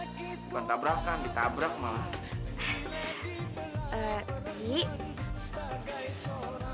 bukan tabrakan ditabrak malah